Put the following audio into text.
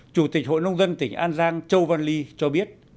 chủ tịch hội nông dân tỉnh an giang châu văn ly cho biết